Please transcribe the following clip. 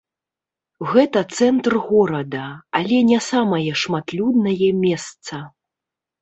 Гэта цэнтр горада, але не самае шматлюднае месца.